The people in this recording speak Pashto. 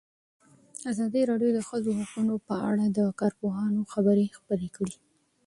ازادي راډیو د د ښځو حقونه په اړه د کارپوهانو خبرې خپرې کړي.